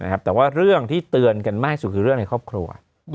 แต่ว่าเรื่องที่เตือนกันมากที่สุดคือเรื่องในครอบครัว